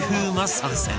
参戦